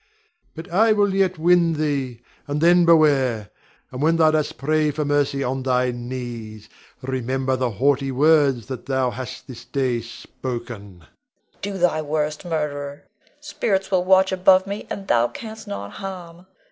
But I will yet win thee, and then beware! And when thou dost pray for mercy on thy knees, remember the haughty words thou hast this day spoken. Leonore. Do thy worst, murderer; spirits will watch above me, and thou canst not harm.